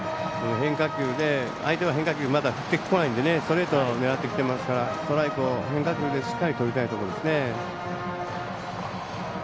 変化球で、相手は変化球まだ振ってこないのでストレートを狙ってきてますからストライクを変化球でしっかりとりたいところですね。